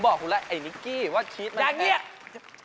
ผมบอกคุณแล้วไอ้นิกกี้ว่าชีสมันแพงอย่างนี้